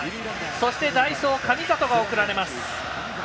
そして、代走、神里が送られます。